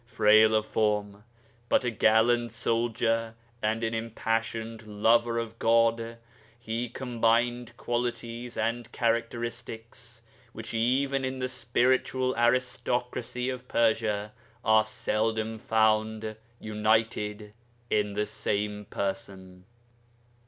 Frail of form, but a gallant soldier and an impassioned lover of God, he combined qualities and characteristics which even in the spiritual aristocracy of Persia are seldom found united in the same person.